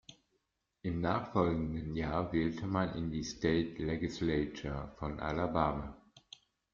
Im nachfolgenden Jahr wählte man in die "State Legislature" von Alabama.